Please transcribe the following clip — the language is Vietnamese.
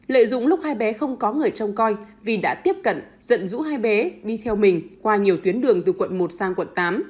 lợi dụng lúc hai bé không có người trông coi vi đã tiếp cận dẫn dũ hai bé đi theo mình qua nhiều tuyến đường từ quận một sang quận tám